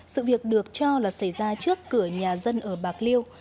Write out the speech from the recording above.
sự việc được cho là xảy ra trước cửa nhà dân ở bạc liêu